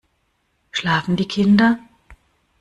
Schlafen die Kinder?